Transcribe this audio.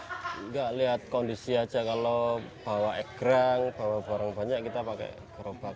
tidak lihat kondisi aja kalau bawa egrang bawa barang banyak kita pakai gerobak